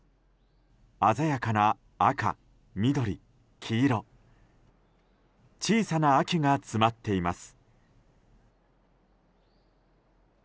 鮮やかな赤、緑、黄色小さな秋が詰まっています。